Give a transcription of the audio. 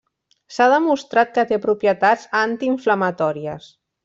S'ha demostrat que té propietats antiinflamatòries.